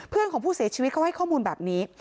ของผู้เสียชีวิตเขาให้ข้อมูลแบบนี้